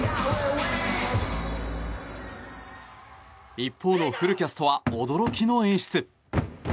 一方のフルキャストは驚きの演出。